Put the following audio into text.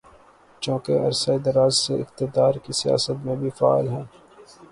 چونکہ عرصۂ دراز سے اقتدار کی سیاست میں بھی فعال ہیں۔